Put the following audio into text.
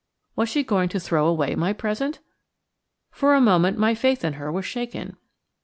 Was she going to throw away my present? For a moment my faith in her was shaken.